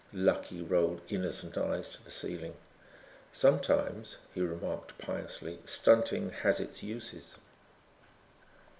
Lucky rolled innocent eyes to the ceiling. "Sometimes," he remarked piously, "stunting has its uses."